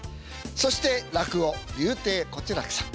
そして落語柳亭小痴楽さん。